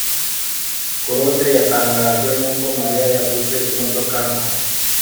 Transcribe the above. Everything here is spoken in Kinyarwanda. claude yatangajwe nuko mariya yaguze imodoka nto